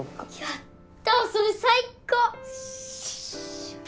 やったそれ最高！